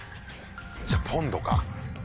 じゃあポンドか。